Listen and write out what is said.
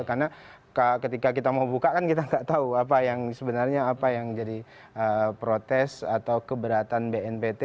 karena ketika kita mau buka kan kita nggak tahu apa yang sebenarnya apa yang jadi protes atau keberatan bnpt